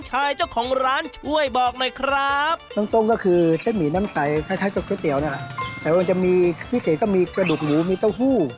แต่ว่ามันจะมีพิเศษก็มีกระดูกหมูมีเต้าหู้